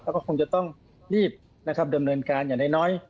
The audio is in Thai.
เขาก็คงจะต้องรีบเนินการอย่างน้อย